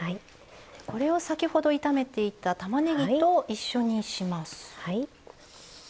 これを先ほど炒めていたたまねぎと一緒にします。